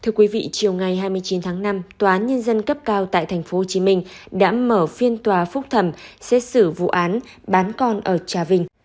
thưa quý vị chiều ngày hai mươi chín tháng năm tòa án nhân dân cấp cao tại tp hcm đã mở phiên tòa phúc thẩm xét xử vụ án bán con ở trà vinh